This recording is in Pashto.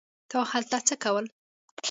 تا هلته څه کول.